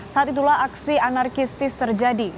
saat itulah aksi anarkistis terjadi